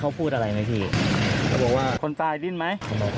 จำดึงดึงมาแบบนี้ครับอ่าดึงมาแล้วก็